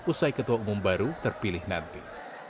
usai ketua umum baru terpilih nanti